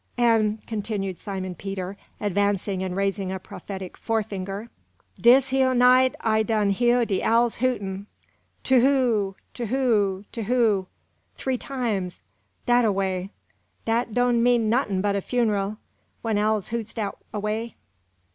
"An'," continued Simon Peter, advancing and raising a prophetic forefinger, "dis heah night I done heah de owls hootin' 'Tu whoo, tu whoo, tu whoo!' three times, dat ar way dat doan' means nuttin' but a funeral, when owls hoots dat away."